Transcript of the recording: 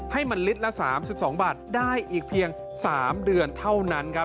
ให้มันลิตรละ๓๒บาทได้อีกเพียง๓เดือนเท่านั้นครับ